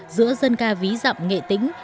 giữa dân ca ví dậm nghệ tính